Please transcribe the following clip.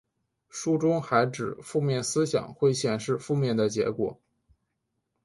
书中还指负面思想会显示负面的结果。